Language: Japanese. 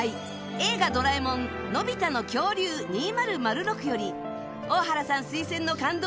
「映画ドラえもんのび太の恐竜２００６」より大原さん推薦の感動